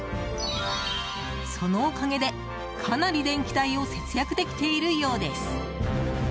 そのおかげで、かなり電気代を節約できているようです。